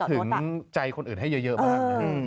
ถึงใจคนอื่นให้เยอะบ้าง